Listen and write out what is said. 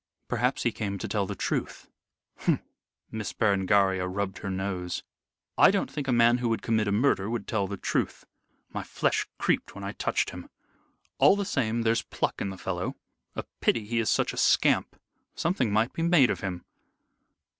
Perhaps he came to tell the truth." "Humph!" Miss Berengaria rubbed her nose. "I don't think a man who would commit a murder would tell the truth. My flesh creeped when I touched him. All the same, there's pluck in the fellow. A pity he is such a scamp. Something might be made of him."